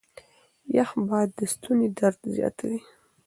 يخ باد د ستوني درد زياتوي.